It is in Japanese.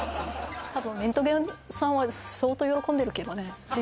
多分レントゲンさんは相当喜んでるけどね